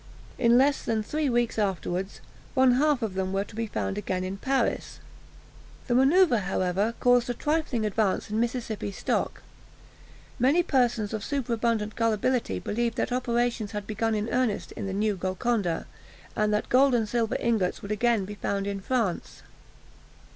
In less than three weeks afterwards, one half of them were to be found again in Paris. The manoeuvre, however, caused a trifling advance in Mississippi stock. Many persons of superabundant gullibility believed that operations had begun in earnest in the new Golconda, and that gold and silver ingots would again be found in France.